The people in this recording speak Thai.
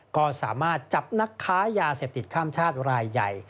ก็สามารถจับนักค้ายาเสพติดข้ามชาติรายใหญ่